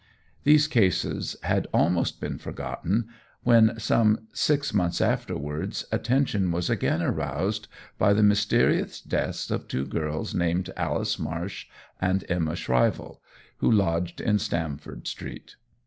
These cases had almost been forgotten, when, some six months afterwards, attention was again aroused by the mysterious deaths of two girls named Alice Marsh and Emma Shrivell, who lodged in Stamford Street.